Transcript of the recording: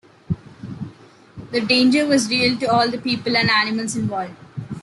The danger was real to all the people and animals involved.